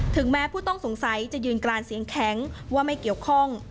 แม้ผู้ต้องสงสัยจะยืนกรานเสียงแข็งว่าไม่เกี่ยวข้อง